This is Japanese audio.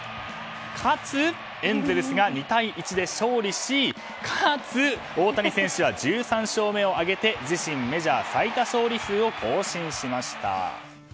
かつ、エンゼルスが２対１で勝利しかつ、大谷選手は１３勝目を挙げて自身メジャー最多勝利数を更新しました。